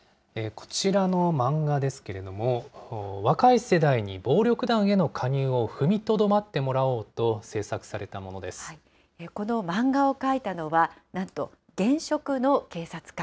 こちらの漫画ですけれども、若い世代に暴力団への加入を踏みとどまってもらおうと制作されたこの漫画を描いたのは、なんと現職の警察官。